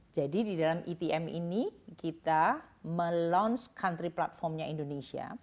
jadi di dalam etm ini kita meluncurkan platform nya indonesia